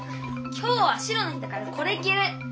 今日は白の日だからこれきる！